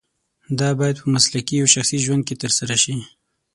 دا باید په مسلکي او شخصي ژوند کې ترسره شي.